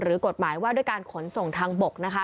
กฎหมายว่าด้วยการขนส่งทางบกนะคะ